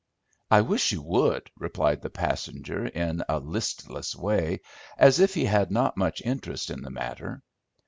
"I wish you would," replied the passenger in a listless way, as if he had not much interest in the matter.